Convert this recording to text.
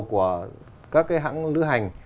của các hãng lưu hành